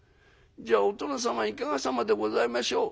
じゃあお殿様いかがさまでございましょう。